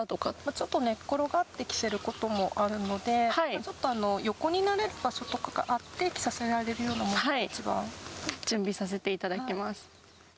ちょっと寝っ転がって着せることもあるので、ちょっと横になれる場所とかがあって、準備させていただきます。